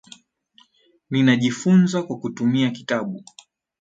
Ninajifunza kwa kutumia kitabu.